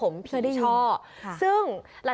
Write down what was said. วิทยาลัยศาสตร์อัศวินตรี